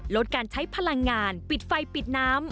ลดการใช้พลังงานปิดไฟปิดน้ำ